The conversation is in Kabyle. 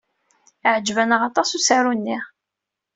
Yeɛjeb-aneɣ aṭas usaru-nni.